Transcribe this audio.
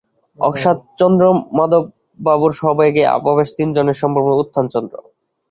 অকস্মাৎ চন্দ্রমাধববাবুর সবেগে প্রবেশ তিনজনের সসম্ভ্রমে উত্থান চন্দ্র।